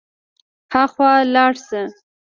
هاخوا لاړ شه.